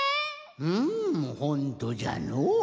うんほんとじゃのう。